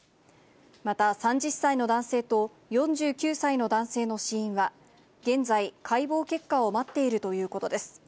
また３０歳の男性と４９歳の男性の死因は、現在、解剖結果を待っているということです。